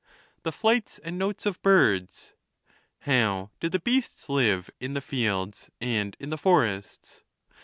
The flights and notes of birds ? How do the beasts live in the fields and in the forests?